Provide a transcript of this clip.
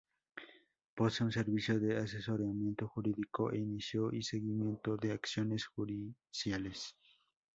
Posee un servicio de asesoramiento jurídico e inicio y seguimiento de acciones judiciales.